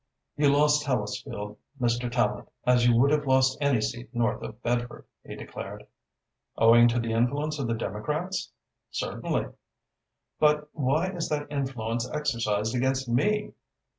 "You lost Hellesfield, Mr. Tallente, as you would have lost any seat north of Bedford," he declared. "Owing to the influence of the Democrats?" "Certainly." "But why is that influence exercised against me?"